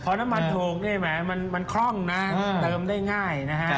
พอน้ำมันถูกนี่แหมมันคล่องนะเติมได้ง่ายนะฮะ